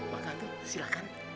maka tuh silakan